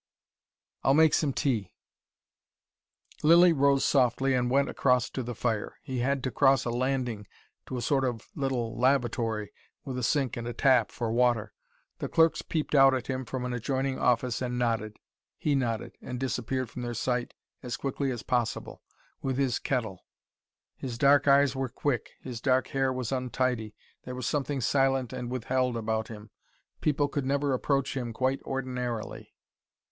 "I'll make some tea " Lilly rose softly and went across to the fire. He had to cross a landing to a sort of little lavatory, with a sink and a tap, for water. The clerks peeped out at him from an adjoining office and nodded. He nodded, and disappeared from their sight as quickly as possible, with his kettle. His dark eyes were quick, his dark hair was untidy, there was something silent and withheld about him. People could never approach him quite ordinarily.